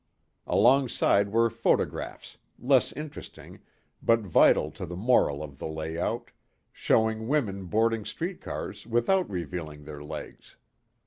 Alongside were photographs, less interesting, but vital to the moral of the layout, showing women boarding street cars without revealing their legs.